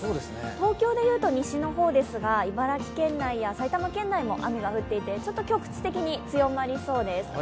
東京で言うと西の方ですが茨城県内や埼玉県内も雨が降っていて局地的に強まりそうです。